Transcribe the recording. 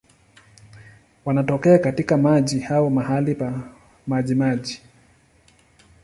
Wanatokea katika maji au mahali pa majimaji.